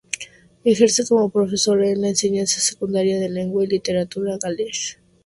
Ejerce como profesora en la enseñanza secundaria de Lengua y Literatura Gallega.